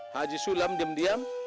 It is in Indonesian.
haji sulam diam diam